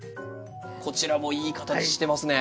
こちらもいい形してますね。